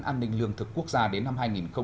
an ninh lương thực quốc gia đến năm hai nghìn hai mươi